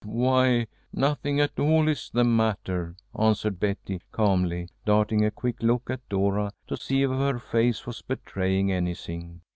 "Why, nothing at all is the matter," answered Betty, calmly, darting a quick look at Dora to see if her face was betraying anything.